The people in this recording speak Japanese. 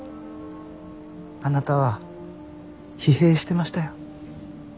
あなたは疲弊してましたよ。